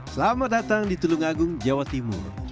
selamat datang di tulung agung jawa timur